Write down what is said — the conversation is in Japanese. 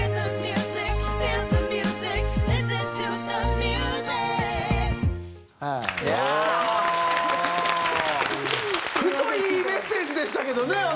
太いメッセージでしたけどね